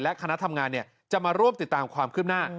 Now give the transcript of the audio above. คณะทำงานจะมาร่วมติดตามความคืบหน้า